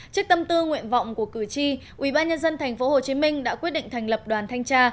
trước tâm tư nguyện vọng của cử tri ubnd tp hcm đã quyết định thành lập đoàn thanh tra